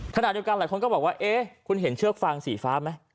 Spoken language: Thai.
ขณะเดียวกันหลายคนก็บอกว่าเอ๊ะคุณเห็นเชือกฟางสีฟ้าไหม